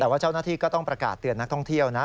แต่ว่าเจ้าหน้าที่ก็ต้องประกาศเตือนนักท่องเที่ยวนะ